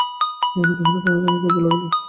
তাহারা তাঁহাকে টানাটানি করিতে লাগিল।